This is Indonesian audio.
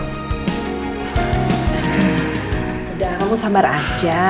udah kamu sambar aja